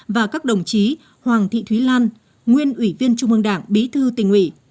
hai nghìn hai mươi một hai nghìn hai mươi sáu và các đồng chí hoàng thị thúy lan nguyên ủy viên trung ương đảng bí thư tỉnh ủy